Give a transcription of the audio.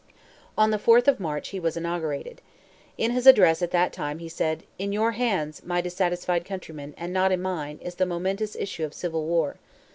On the 4th of March he was inaugurated. In his address at that time he said: "In your hands, my dissatisfied countrymen, and not in mine, is the momentous issue of civil war.